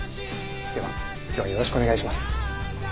では今日はよろしくお願いします。